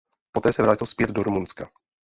Poté se vrátil zpět do Rumunska.